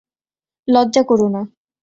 লজ্জা কোরো না।